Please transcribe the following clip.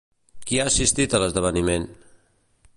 Qui ha assistit a l'esdeveniment?